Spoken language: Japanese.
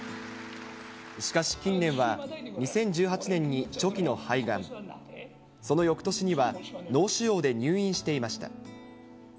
しかし近年は、２０１８年に初期の肺がん、そのよくとしには、脳腫瘍で入院していました。